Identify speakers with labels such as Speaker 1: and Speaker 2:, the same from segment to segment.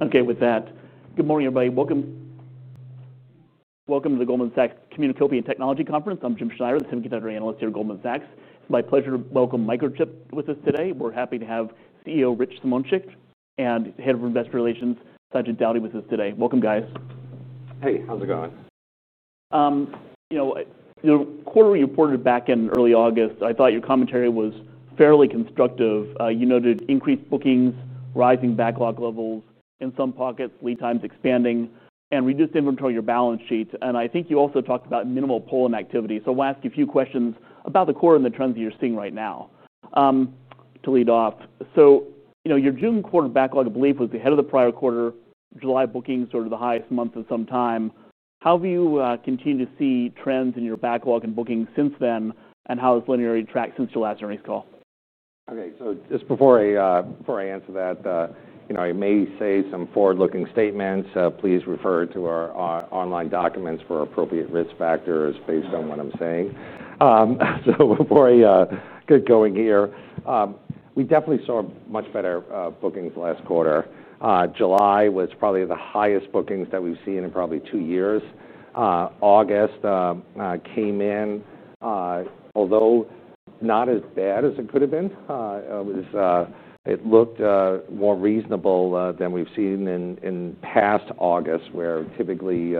Speaker 1: Okay, with that, good morning everybody. Welcome to the Goldman Sachs Communicopia Technology Conference. I'm Jim Schneider, the Semi-Content Analyst here at Goldman Sachs. My pleasure to welcome Microchip Technology with us today. We're happy to have CEO, Richard Simoncic, and Head of Investor Relations, Sajid Daudi, with us today. Welcome, guys.
Speaker 2: Hey, how's it going?
Speaker 1: You know, your quarterly reported back in early August. I thought your commentary was fairly constructive. You noted increased bookings, rising backlog levels in some pockets, lead times expanding, and reduced inventory in your balance sheet. I think you also talked about minimal polling activity. I'll ask you a few questions about the quarter and the trends that you're seeing right now. To lead off, you know your June quarter backlog, I believe, was ahead of the prior quarter. July bookings were the highest month in some time. How have you continued to see trends in your backlog and bookings since then, and how has linearity tracked since your last earnings call?
Speaker 2: Okay, just before I answer that, I may say some forward-looking statements. Please refer to our online documents for appropriate risk factors based on what I'm saying. Before I get going here, we definitely saw much better bookings last quarter. July was probably the highest bookings that we've seen in probably two years. August came in, although not as bad as it could have been. It looked more reasonable than we've seen in past August, where typically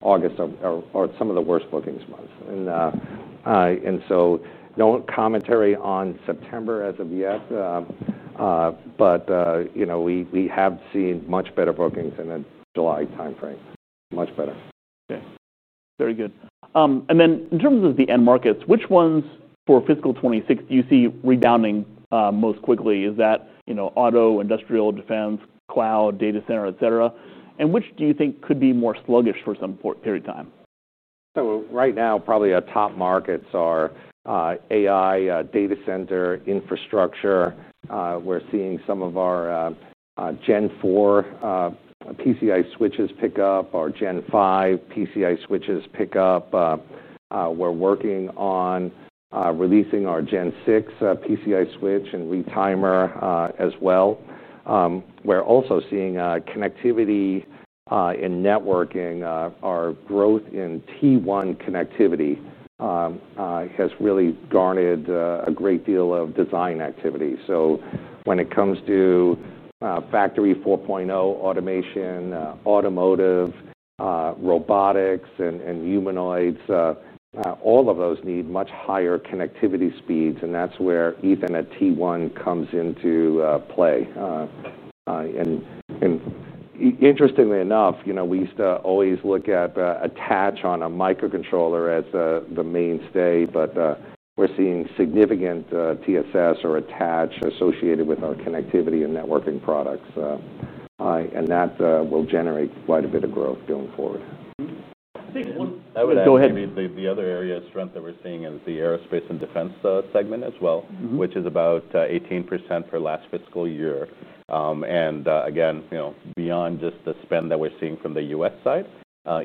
Speaker 2: August is one of the worst bookings months. No commentary on September as of yet, but we have seen much better bookings in the July timeframe. Much better.
Speaker 1: Okay, very good. In terms of the end markets, which ones for fiscal 2026 do you see rebounding most quickly? Is that auto, industrial, defense, cloud, data center, et cetera? Which do you think could be more sluggish for some period of time?
Speaker 2: Right now, probably our top markets are AI, data center, infrastructure. We're seeing some of our Gen 4 PCIe switches pick up, our Gen 5 PCIe switches pick up. We're working on releasing our Gen 6 PCIe switch and retimer as well. We're also seeing connectivity in networking. Our growth in T1 connectivity has really garnered a great deal of design-in activity. When it comes to factory 4.0 automation, automotive, robotics, and humanoids, all of those need much higher connectivity speeds, and that's where Ethernet T1 comes into play. Interestingly enough, we used to always look at attach on a microcontroller as the mainstay, but we're seeing significant attach associated with our connectivity and networking products. That will generate quite a bit of growth going forward.
Speaker 1: I think one.
Speaker 2: Go ahead.
Speaker 3: The other area of strength that we're seeing is the aerospace and defense segment as well, which is about 18% per last fiscal year. Again, you know beyond just the spend that we're seeing from the U.S. side,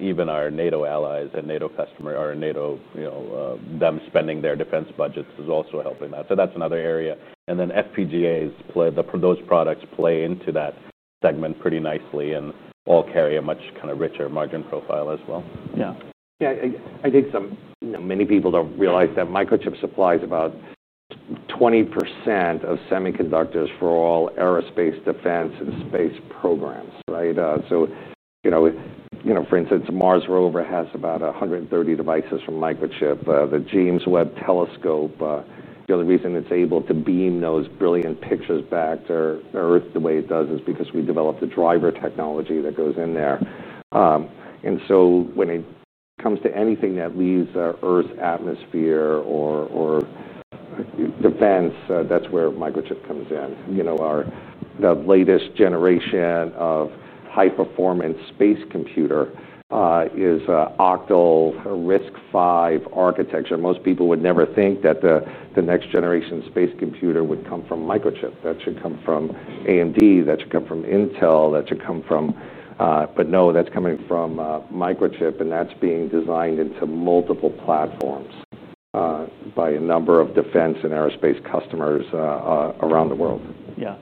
Speaker 3: even our NATO allies and NATO customers, or NATO, you know them spending their defense budgets is also helping that. That's another area. FPGAs, those products play into that segment pretty nicely and all carry a much kind of richer margin profile as well.
Speaker 2: Yeah, I think many people don't realize that Microchip supplies about 20% of semiconductors for all aerospace, defense, and space programs, right? For instance, Mars Rover has about 130 devices from Microchip. The James Webb Space Telescope, the only reason it's able to beam those brilliant pictures back to Earth the way it does is because we developed a driver technology that goes in there. When it comes to anything that leaves Earth's atmosphere or defense, that's where Microchip comes in. Our latest generation of high-performance space computer is octal RISC-V architecture. Most people would never think that the next generation space computer would come from Microchip. That should come from AMD, that should come from Intel, that should come from, but no, that's coming from Microchip and that's being designed into multiple platforms by a number of defense and aerospace customers around the world.
Speaker 1: Yeah,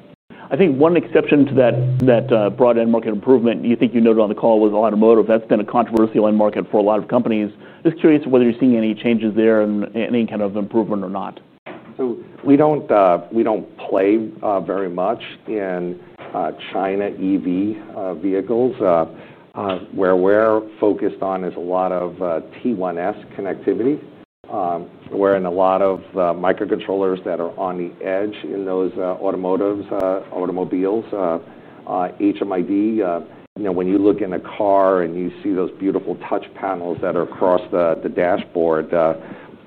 Speaker 1: I think one exception to that broad end market improvement you think you noted on the call was automotive. That's been a controversial end market for a lot of companies. I'm just curious whether you're seeing any changes there and any kind of improvement or not.
Speaker 2: We don't play very much in China EV vehicles. Where we're focused is a lot of T1S connectivity. We're in a lot of microcontrollers that are on the edge in those automotives, automobiles, HMID. You know, when you look in a car and you see those beautiful touch panels that are across the dashboard,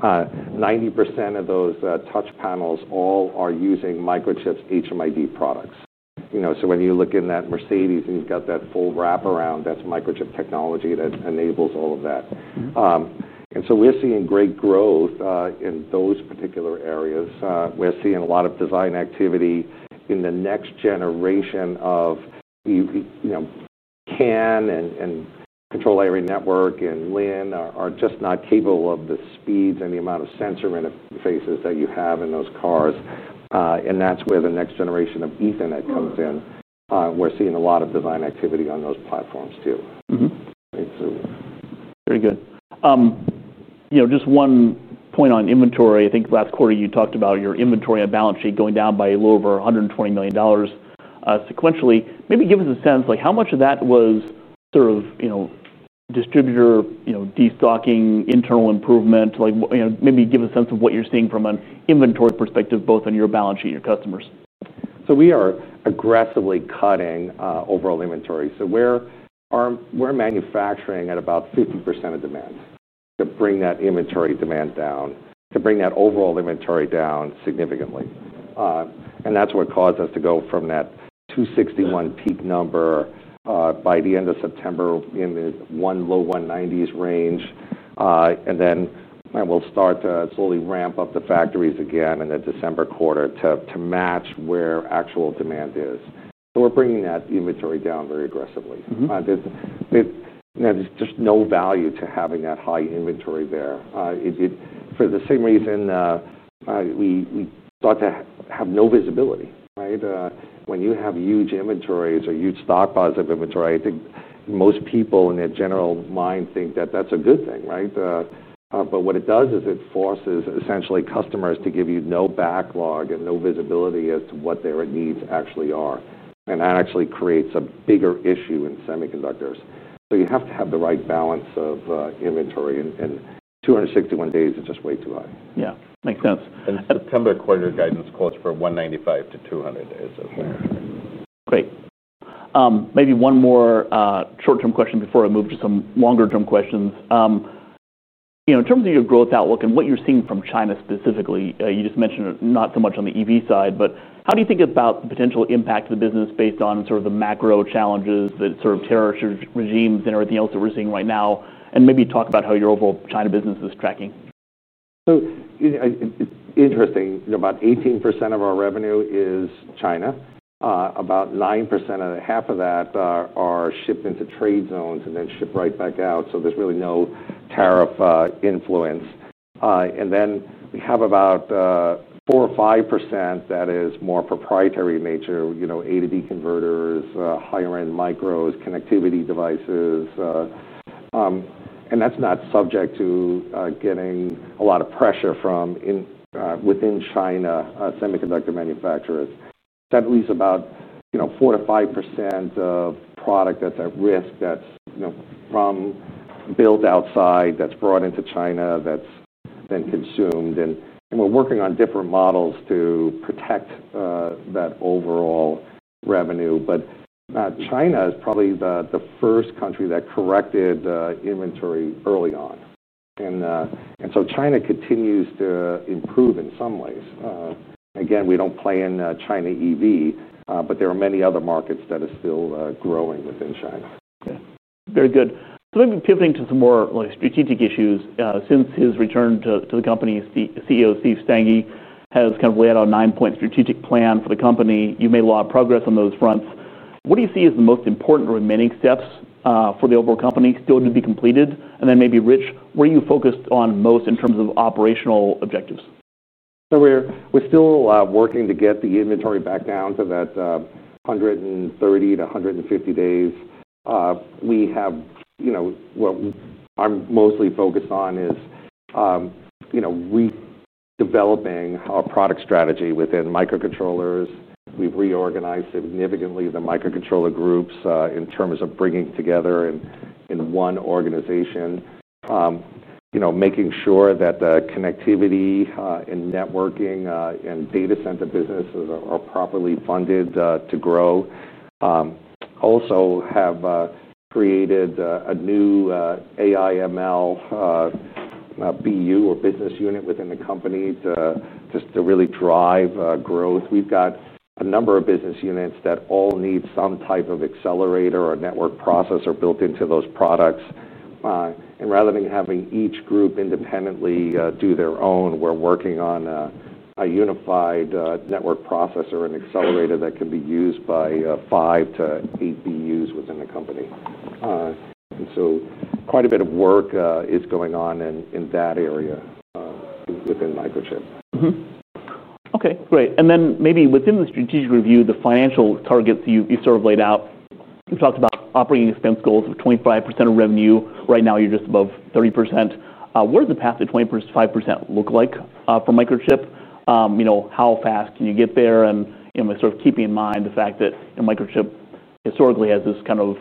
Speaker 2: 90% of those touch panels all are using Microchip's HMID products. You know, when you look in that Mercedes and you've got that full wrap-around, that's Microchip Technology that enables all of that. We're seeing great growth in those particular areas. We're seeing a lot of design-in activity in the next generation of CAN and control. Every network and LIN are just not capable of the speeds and the amount of sensor interfaces that you have in those cars. That's where the next generation of Ethernet comes in. We're seeing a lot of design-in activity on those platforms too.
Speaker 1: Very good. Just one point on inventory. I think last quarter you talked about your inventory and balance sheet going down by a little over $120 million sequentially. Maybe give us a sense how much of that was distributor destocking, internal improvement, maybe give a sense of what you're seeing from an inventory perspective, both on your balance sheet and your customers.
Speaker 2: We are aggressively cutting overall inventory. We're manufacturing at about 50% of demand to bring that inventory demand down, to bring that overall inventory down significantly. That's what caused us to go from that 261 peak number by the end of September in the low 190s range. We'll start to slowly ramp up the factories again in the December quarter to match where actual demand is. We're bringing that inventory down very aggressively. There's just no value to having that high inventory there. For the same reason, we thought to have no visibility, right? When you have huge inventories or huge stockpiles of inventory, I think most people in their general mind think that's a good thing, right? What it does is it forces essentially customers to give you no backlog and no visibility as to what their needs actually are. That actually creates a bigger issue in semiconductors. You have to have the right balance of inventory. 261 days is just way too high.
Speaker 1: Yeah, makes sense.
Speaker 2: September quarter guidance calls for 195-200 days of inventory.
Speaker 1: Great. Maybe one more short-term question before I move to some longer-term questions. In terms of your growth outlook and what you're seeing from China specifically, you just mentioned not so much on the EV side, but how do you think about the potential impact of the business based on sort of the macro challenges, the sort of terrorist regimes, and everything else that we're seeing right now? Maybe talk about how your overall China business is tracking.
Speaker 2: It's interesting, about 18% of our revenue is China. About 9% of that is shipped into trade zones and then shipped right back out, so there's really no tariff influence. We have about 4% or 5% that is more proprietary, major, you know, A to B converters, higher-end micros, connectivity devices, and that's not subject to getting a lot of pressure from within China semiconductor manufacturers. That leaves about 4%-5% of product that's at risk, that's from built outside, that's brought into China, that's then consumed. We're working on different models to protect that overall revenue. China is probably the first country that corrected inventory early on, and China continues to improve in some ways. We don't play in China EV, but there are many other markets that are still growing within China.
Speaker 1: Okay, very good. Maybe pivoting to some more strategic issues. Since his return to the company, CEO Steve Sanghi has kind of laid out a nine-point strategic plan for the company. You made a lot of progress on those fronts. What do you see as the most important remaining steps for the overall company still to be completed? Maybe Rich, where are you focused on most in terms of operational objectives?
Speaker 2: We're still working to get the inventory back down to that 130-150 days. What I'm mostly focused on is redeveloping our product strategy within microcontrollers. We've reorganized significantly the microcontroller groups in terms of bringing together in one organization, making sure that the connectivity and networking and data center businesses are properly funded to grow. Also have created a new AI/ML BU or business unit within the company to just really drive growth. We've got a number of business units that all need some type of accelerator or network processor built into those products. Rather than having each group independently do their own, we're working on a unified network processor and accelerator that can be used by five to eight BUs within the company. Quite a bit of work is going on in that area within Microchip.
Speaker 1: Okay, great. Maybe within the strategic review, the financial targets you sort of laid out, you talked about operating expense goals of 25% of revenue. Right now you're just above 30%. What does the path to 25% look like for Microchip? How fast can you get there? Keeping in mind the fact that Microchip historically has this kind of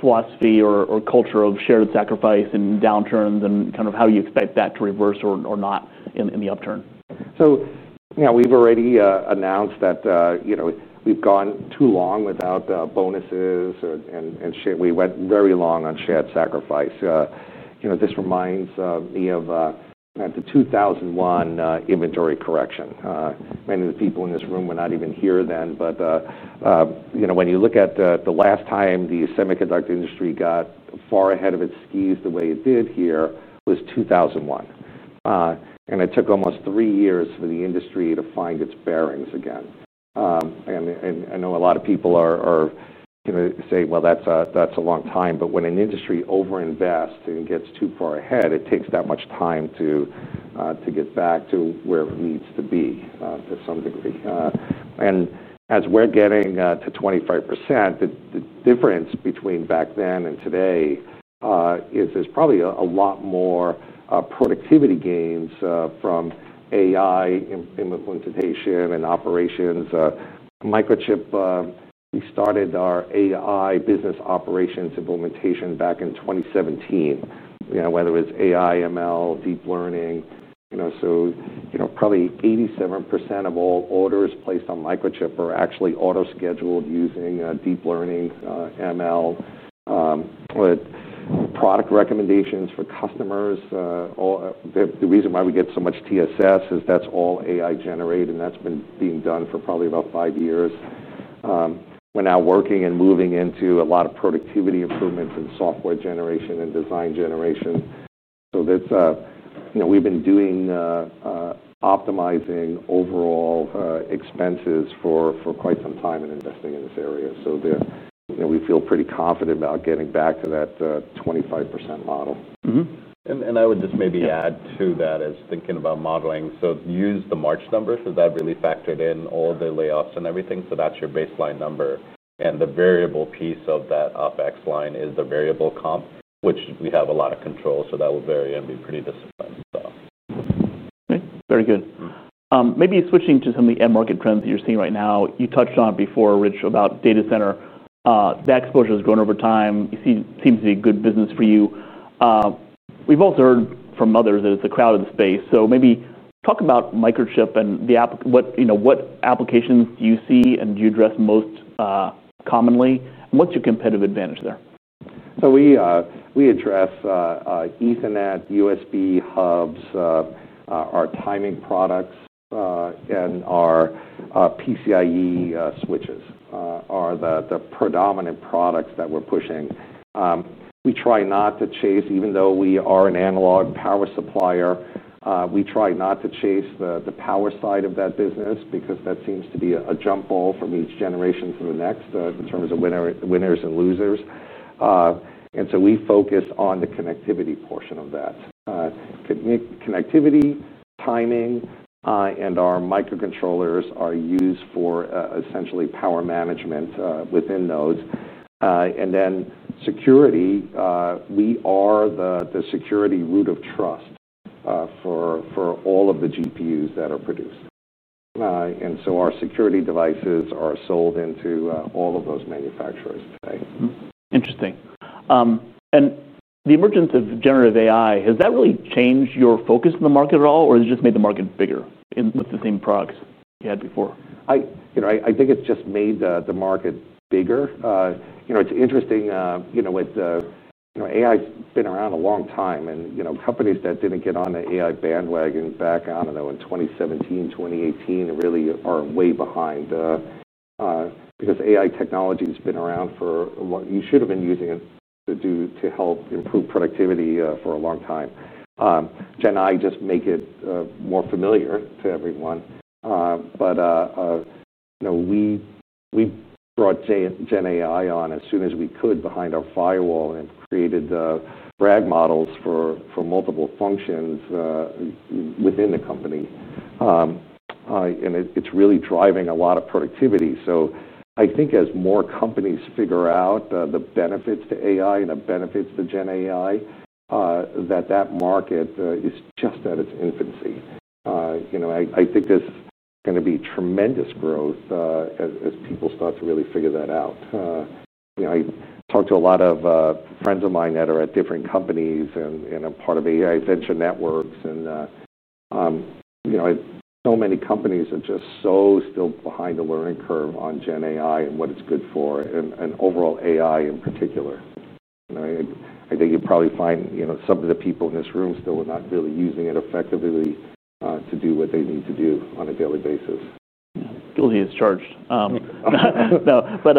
Speaker 1: philosophy or culture of shared sacrifice in downturns and how you expect that to reverse or not in the upturn.
Speaker 2: We've already announced that we've gone too long without bonuses and we went very long on shared sacrifice. This reminds me of the 2001 inventory correction. Many of the people in this room were not even here then, but when you look at the last time the semiconductor industry got far ahead of its skis the way it did here, it was 2001. It took almost three years for the industry to find its bearings again. I know a lot of people are going to say that's a long time, but when an industry over-invests and gets too far ahead, it takes that much time to get back to where it needs to be to some degree. As we're getting to 25%, the difference between back then and today is there's probably a lot more productivity gains from AI implementation and operations. Microchip, we started our AI business operations implementation back in 2017. Whether it's AI, ML, deep learning, probably 87% of all orders placed on Microchip are actually auto-scheduled using deep learning, ML, product recommendations for customers. The reason why we get so much TSS is that's all AI generated and that's been being done for probably about five years. We're now working and moving into a lot of productivity improvements and software generation and design generation. We've been optimizing overall expenses for quite some time in investing in this area. We feel pretty confident about getting back to that 25% model.
Speaker 3: I would just maybe add to that as thinking about modeling. Use the March number, so that really factored in all the layoffs and everything. That's your baseline number. The variable piece of that OpEx line is the variable comp, which we have a lot of control. That will vary and be pretty disciplined.
Speaker 1: Very good. Maybe switching to some of the end market trends that you're seeing right now. You touched on before, Rich, about data center. That exposure has grown over time. It seems to be good business for you. We've also heard from others that it's a crowded space. Maybe talk about Microchip and what applications do you see and do you address most commonly? What's your competitive advantage there?
Speaker 2: We address Ethernet, USB hubs, our timing products, and our PCIe switches are the predominant products that we're pushing. We try not to chase, even though we are an analog power supplier, we try not to chase the power side of that business because that seems to be a jump ball from each generation to the next in terms of winners and losers. We focus on the connectivity portion of that. Connectivity, timing, and our microcontrollers are used for essentially power management within nodes. Security, we are the security root of trust for all of the GPUs that are produced. Our security devices are sold into all of those manufacturers today.
Speaker 1: Interesting. Has the emergence of generative AI really changed your focus in the market at all, or has it just made the market bigger with the same products you had before?
Speaker 2: I think it's just made the market bigger. It's interesting, with the AI, it's been around a long time and companies that didn't get on the AI bandwagon back in 2017, 2018, really are way behind because AI technology has been around for a long time. You should have been using it to help improve productivity for a long time. Gen AI just makes it more familiar to everyone. We brought Gen AI on as soon as we could behind our firewall and created the Bragg models for multiple functions within the company. It's really driving a lot of productivity. I think as more companies figure out the benefits to AI and the benefits to Gen AI, that market is just at its infancy. I think there's going to be tremendous growth as people start to really figure that out. I talk to a lot of friends of mine that are at different companies and I'm part of AI Venture Networks. So many companies are just still behind the learning curve on Gen AI and what it's good for and overall AI in particular. I think you'll probably find some of the people in this room still are not really using it effectively to do what they need to do on a daily basis.
Speaker 1: Guilty as charged. No, but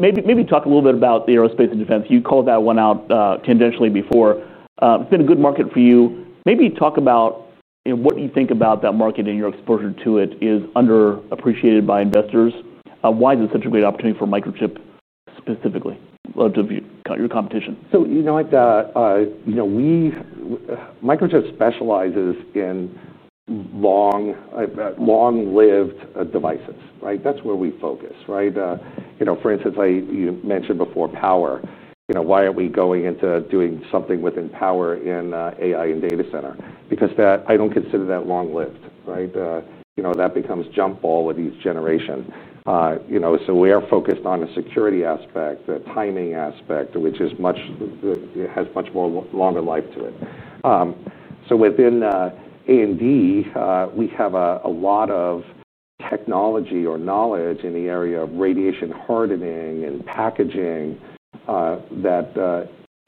Speaker 1: maybe talk a little bit about the aerospace and defense. You called that one out tangentially before. It's been a good market for you. Maybe talk about what you think about that market and your exposure to it is underappreciated by investors. Why is it such a great opportunity for Microchip specifically? Lots of your competition.
Speaker 2: Microchip specializes in long-lived devices, right? That's where we focus, right? For instance, you mentioned before power. Why aren't we going into doing something within power in AI and data center? I don't consider that long-lived, right? That becomes jump ball at each generation. We are focused on the security aspect, the timing aspect, which has much more longer life to it. Within A&D, we have a lot of technology or knowledge in the area of radiation hardening and packaging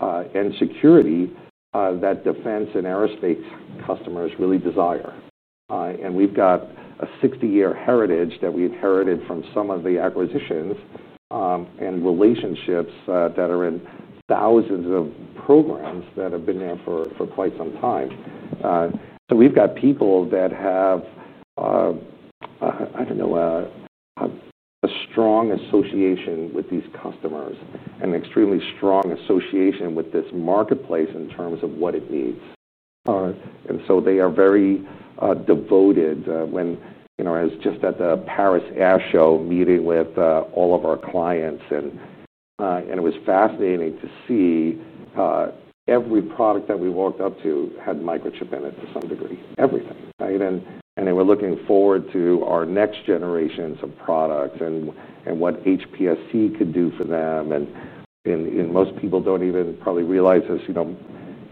Speaker 2: and security that defense and aerospace customers really desire. We've got a 60-year heritage that we inherited from some of the acquisitions and relationships that are in thousands of programs that have been there for quite some time. We've got people that have, I don't know, a strong association with these customers and an extremely strong association with this marketplace in terms of what it needs. They are very devoted. I was just at the Paris Air Show meeting with all of our clients, and it was fascinating to see every product that we walked up to had Microchip in it to some degree. Everything, right? They were looking forward to our next generations of products and what HPSC could do for them. Most people don't even probably realize this,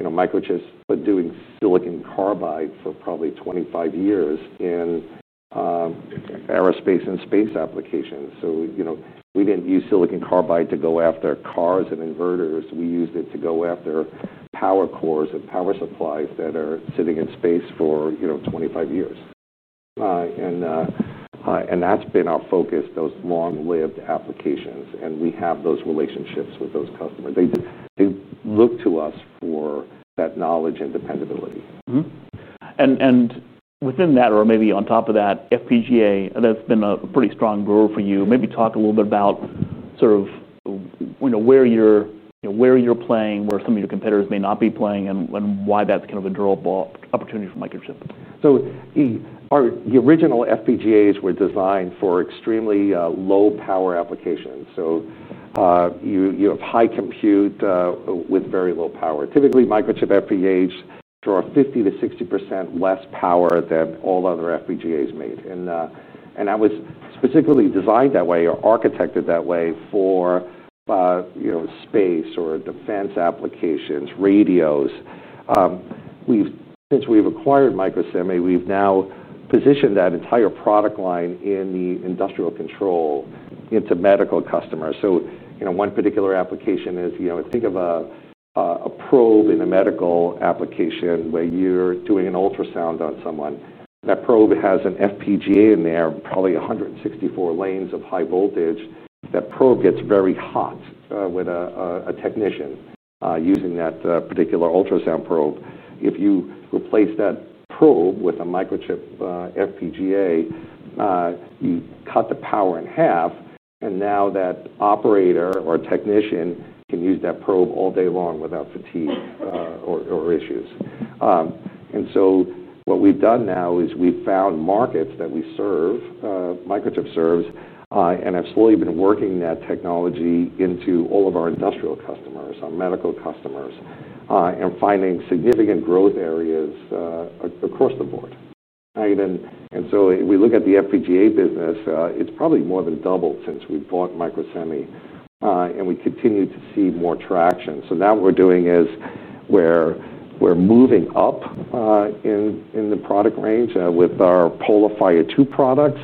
Speaker 2: Microchip's been doing silicon carbide for probably 25 years in aerospace and space applications. We didn't use silicon carbide to go after cars and inverters. We used it to go after power cores and power supplies that are sitting in space for 25 years. That's been our focus, those long-lived applications. We have those relationships with those customers. They look to us for that knowledge and dependability.
Speaker 1: Within that, or maybe on top of that, FPGA, that's been a pretty strong grower for you. Maybe talk a little bit about where you're playing, where some of your competitors may not be playing, and why that's kind of a durable opportunity for Microchip.
Speaker 2: The original FPGAs were designed for extremely low-power applications. You have high compute with very low power. Typically, Microchip FPGAs draw 50%-60% less power than all other FPGAs made. That was specifically designed that way or architected that way for, you know, space or defense applications, radios. Since we've acquired Microsemi, we've now positioned that entire product line in the industrial control into medical customers. One particular application is, you know, think of a probe in a medical application where you're doing an ultrasound on someone. That probe has an FPGA in there, probably 164 lanes of high voltage. That probe gets very hot with a technician using that particular ultrasound probe. If you replace that probe with a Microchip FPGA, you cut the power in half, and now that operator or technician can use that probe all day long without fatigue or issues. What we've done now is we've found markets that we serve, Microchip serves, and have slowly been working that technology into all of our industrial customers, our medical customers, and finding significant growth areas across the board. We look at the FPGA business, it's probably more than doubled since we bought Microsemi, and we continue to see more traction. Now what we're doing is we're moving up in the product range with our PolarFire 2 products,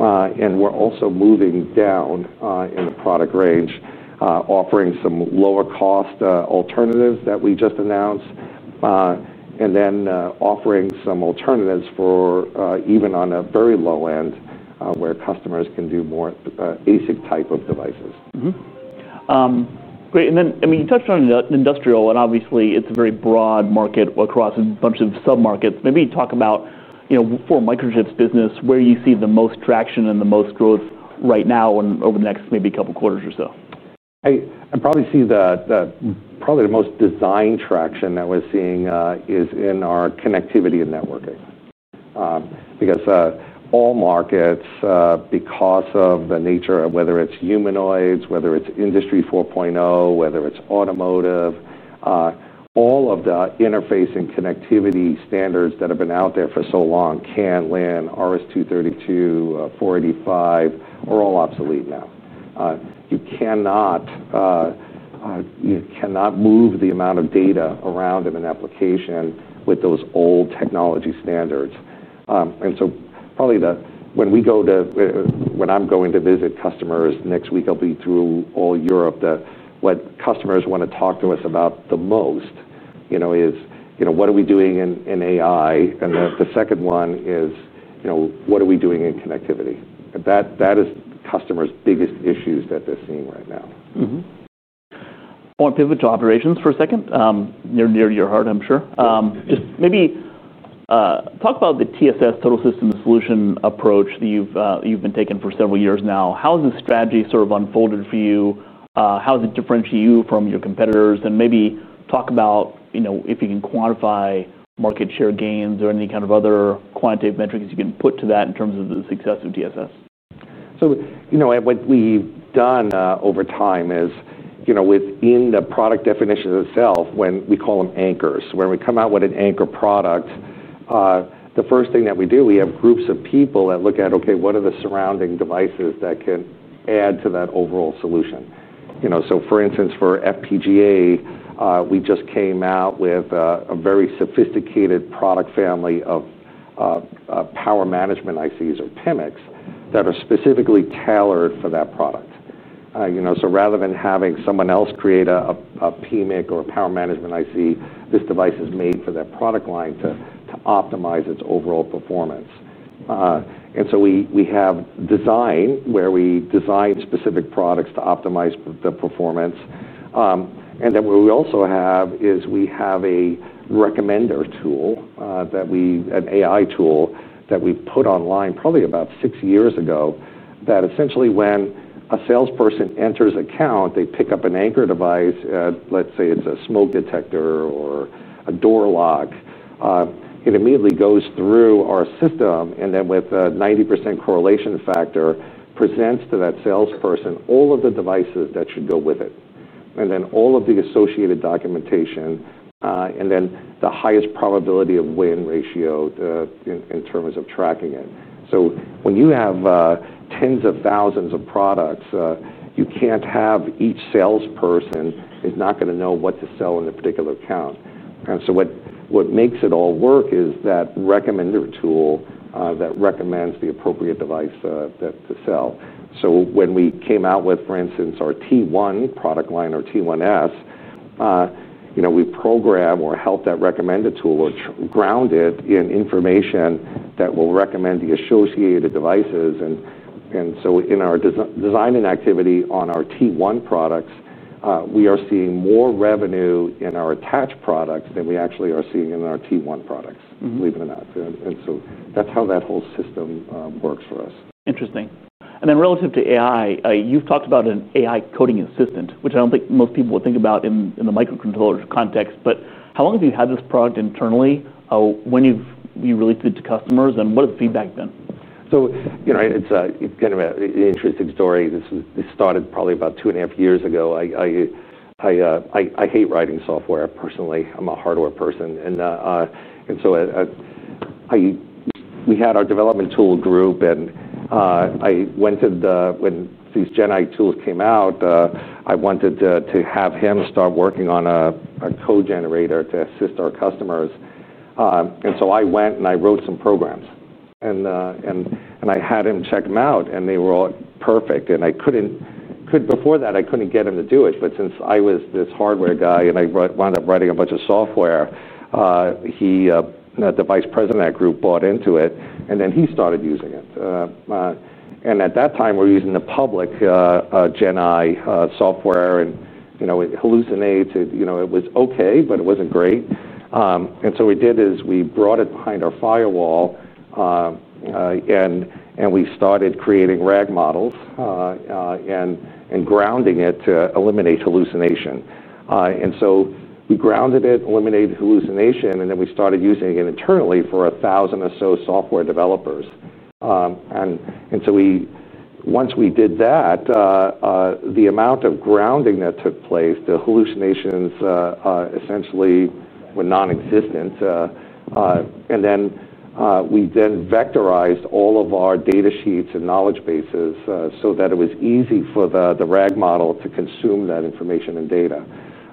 Speaker 2: and we're also moving down in the product range, offering some lower-cost alternatives that we just announced, and then offering some alternatives for even on a very low end where customers can do more ASIC type of devices.
Speaker 1: Great. You touched on industrial, and obviously it's a very broad market across a bunch of submarkets. Maybe talk about, for Microchip's business, where you see the most traction and the most growth right now and over the next maybe a couple of quarters or so.
Speaker 2: I probably see the most design traction that we're seeing is in our connectivity and networking. Because all markets, because of the nature of whether it's humanoids, whether it's Industry 4.0, whether it's automotive, all of the interface and connectivity standards that have been out there for so long, CAN, LAN, RS232, RS485 are all obsolete now. You cannot move the amount of data around in an application with those old technology standards. Probably when we go to, when I'm going to visit customers next week, I'll be through all Europe. What customers want to talk to us about the most is, you know, what are we doing in AI? The second one is, you know, what are we doing in connectivity? That is customers' biggest issues that they're seeing right now.
Speaker 1: I want to pivot to operations for a second. You're near your heart, I'm sure. Maybe talk about the TSS approach that you've been taking for several years now. How has this strategy sort of unfolded for you? How does it differentiate you from your competitors? Maybe talk about, you know, if you can quantify market share gains or any kind of other quantitative metrics you can put to that in terms of the success of TSS.
Speaker 2: What we've done over time is, within the product definition itself, we call them anchors. When we come out with an anchor product, the first thing that we do, we have groups of people that look at, okay, what are the surrounding devices that can add to that overall solution? For instance, for FPGA, we just came out with a very sophisticated product family of power management ICs or PMICs that are specifically tailored for that product. Rather than having someone else create a PMIC or a power management IC, this device is made for that product line to optimize its overall performance. We have design where we design specific products to optimize the performance. We also have a recommender tool, an AI tool that we put online probably about six years ago that essentially, when a salesperson enters an account, they pick up an anchor device, let's say it's a smoke detector or a door lock. It immediately goes through our system and then with a 90% correlation factor presents to that salesperson all of the devices that should go with it, and then all of the associated documentation and then the highest probability of win ratio in terms of tracking it. When you have tens of thousands of products, each salesperson is not going to know what to sell in a particular account. What makes it all work is that recommender tool that recommends the appropriate device to sell. When we came out with, for instance, our T1 product line or T1S, we program or help that recommender tool or ground it in information that will recommend the associated devices. In our design-in activity on our T1 products, we are seeing more revenue in our Attach products than we actually are seeing in our T1 products, believe it or not. That's how that whole system works for us.
Speaker 1: Interesting. Relative to AI, you've talked about an AI coding assistant, which I don't think most people would think about in the microcontroller context. How long have you had this product internally? When you've related it to customers, what has the feedback been?
Speaker 2: It's kind of an interesting story. This started probably about two and a half years ago. I hate writing software. Personally, I'm a hardware person. We had our development tool group and I went to the, when these GenAI tools came out, I wanted to have him start working on a code generator to assist our customers. I went and I wrote some programs and I had him check them out and they were all perfect. Before that, I couldn't get him to do it. Since I was this hardware guy and I wound up writing a bunch of software, the Vice President of that group bought into it and then he started using it. At that time, we were using the public GenAI software and, you know, it hallucinated, it was okay, but it wasn't great. We brought it behind our firewall and we started creating RAG models and grounding it to eliminate hallucination. We grounded it, eliminated hallucination, and then we started using it internally for a thousand or so software developers. Once we did that, the amount of grounding that took place, the hallucinations essentially were non-existent. We then vectorized all of our data sheets and knowledge bases so that it was easy for the RAG model to consume that information and data.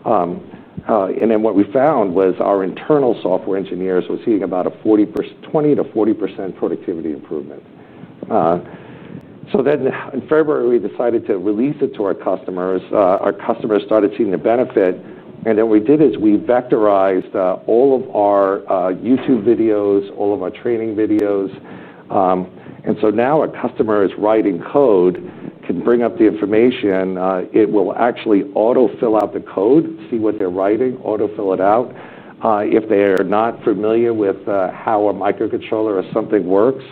Speaker 2: What we found was our internal software engineers were seeing about a 20%-40% productivity improvement. In February, we decided to release it to our customers. Our customers started seeing the benefit. We vectorized all of our YouTube videos, all of our training videos. Now a customer is writing code, can bring up the information, it will actually auto-fill out the code, see what they're writing, auto-fill it out. If they are not familiar with how a microcontroller or something works,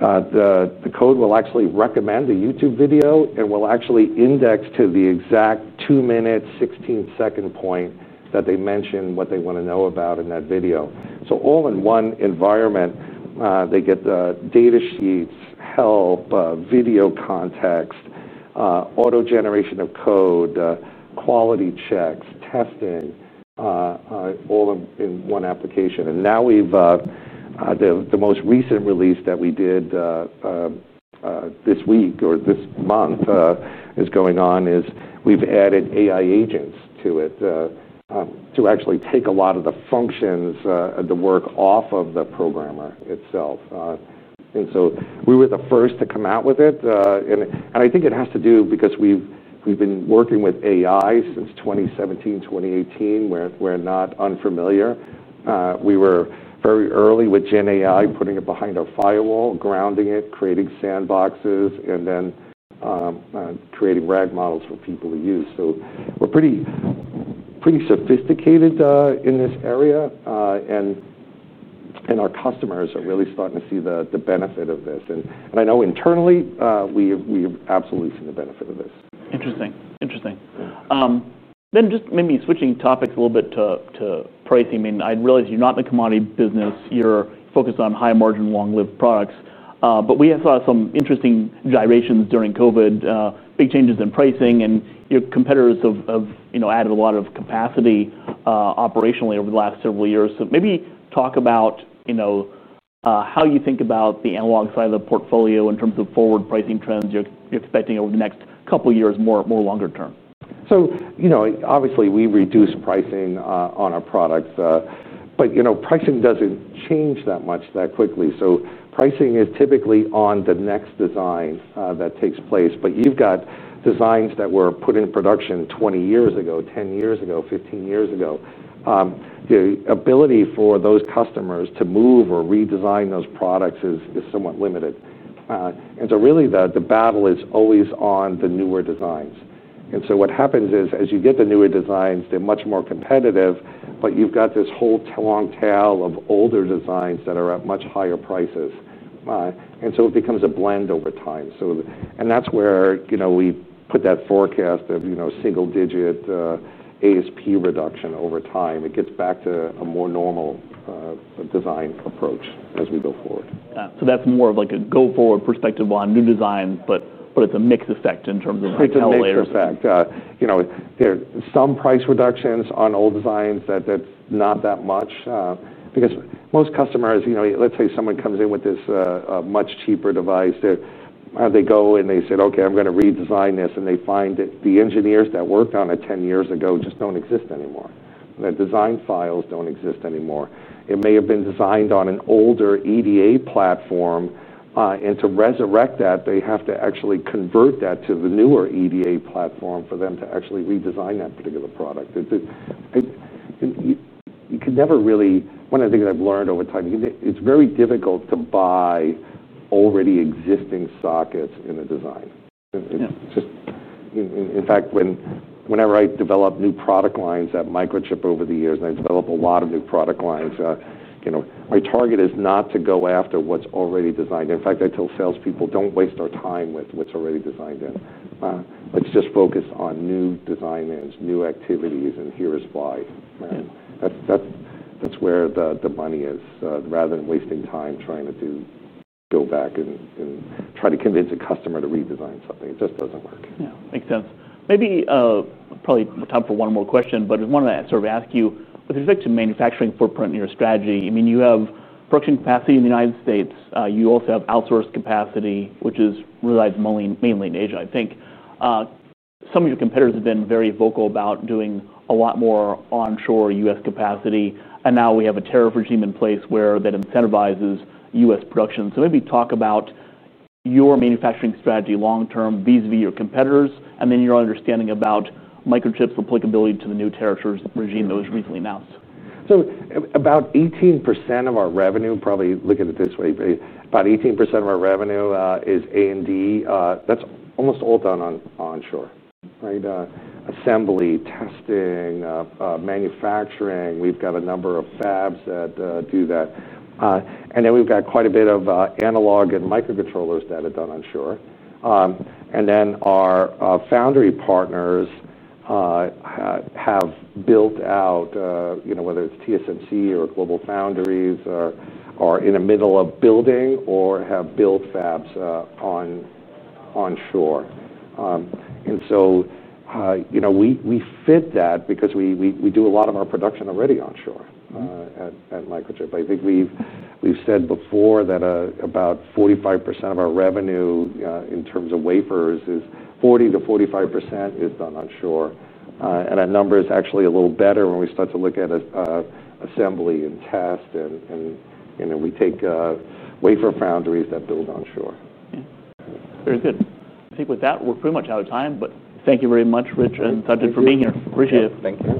Speaker 2: the code will actually recommend the YouTube video and will actually index to the exact 2:16 point that they mentioned what they want to know about in that video. All in one environment, they get the data sheets, help, video context, auto-generation of code, quality checks, testing, all in one application. The most recent release that we did this week or this month is going on, is we've added AI agents to it to actually take a lot of the functions and to work off of the programmer itself. We were the first to come out with it. I think it has to do because we've been working with AI since 2017, 2018, where we're not unfamiliar. We were very early with GenAI, putting it behind our firewall, grounding it, creating sandboxes, and then creating RAG models for people to use. We're pretty sophisticated in this area. Our customers are really starting to see the benefit of this. I know internally, we've absolutely seen the benefit of this.
Speaker 1: Interesting, interesting. Maybe switching topics a little bit to pricing. I realize you're not in the commodity business. You're focused on high margin, long-lived products. We have some interesting gyrations during COVID, big changes in pricing, and your competitors have added a lot of capacity operationally over the last several years. Maybe talk about how you think about the analog side of the portfolio in terms of forward pricing trends you're expecting over the next couple of years, more longer-term.
Speaker 2: Obviously, we reduce pricing on our products, but pricing doesn't change that much that quickly. Pricing is typically on the next design that takes place. You've got designs that were put in production 20 years ago, 10 years ago, 15 years ago. The ability for those customers to move or redesign those products is somewhat limited. Really, the battle is always on the newer designs. What happens is as you get the newer designs, they're much more competitive, but you've got this whole long tail of older designs that are at much higher prices. It becomes a blend over time. That's where we put that forecast of single-digit ASP reduction over time. It gets back to a more normal design approach as we go forward.
Speaker 1: That's more of like a go-forward perspective on new designs, but it's a mixed effect in terms of.
Speaker 2: It's a mixed effect. There are some price reductions on old designs, but that's not that much. Most customers, you know, let's say someone comes in with this much cheaper device. They go and they said, "Okay, I'm going to redesign this." They find that the engineers that worked on it 10 years ago just don't exist anymore. The design files don't exist anymore. It may have been designed on an older EDA platform. To resurrect that, they have to actually convert that to the newer EDA platform for them to actually redesign that particular product. You can never really, one of the things I've learned over time, it's very difficult to buy already existing sockets in a design. In fact, whenever I develop new product lines at Microchip over the years, and I develop a lot of new product lines, my target is not to go after what's already designed. I tell salespeople, "Don't waste our time with what's already designed in. Let's just focus on new designs, new activities, and here is why." That's where the money is, rather than wasting time trying to do build back and try to convince a customer to redesign something. It just doesn't work.
Speaker 1: Yeah, makes sense. Maybe probably time for one more question, but I wanted to sort of ask you, with respect to manufacturing footprint in your strategy, I mean, you have production capacity in the United States. You also have outsourced capacity, which resides mainly in Asia, I think. Some of your competitors have been very vocal about doing a lot more onshore U.S. capacity. Now we have a tariff regime in place that incentivizes U.S. production. Maybe talk about your manufacturing strategy long term, vis-a-vis your competitors, and then your understanding about Microchip's applicability to the new tariff regime that was recently announced.
Speaker 2: About 18% of our revenue, probably look at it this way, about 18% of our revenue is A&D. That's almost all done onshore, right? Assembly, testing, manufacturing, we've got a number of fabs that do that. We've got quite a bit of analog and microcontrollers that are done onshore. Our foundry partners have built out, you know, whether it's TSMC or GlobalFoundries, are in the middle of building or have built fabs onshore. We fit that because we do a lot of our production already onshore at Microchip. I think we've said before that about 45% of our revenue in terms of wafers is 40%-45% is done onshore. Our number is actually a little better when we start to look at assembly and test. We take wafer foundries that build onshore.
Speaker 1: Very good. I think with that, we're pretty much out of time, but thank you very much, Rich and Sajid, for being here.
Speaker 2: Thank you.